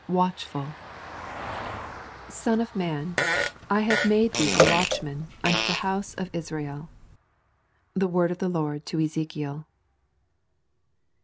WATCHFUL 'Son of man, I have made thee a watchman unto the house of Israel.' The word of the Lord to Ezekiel.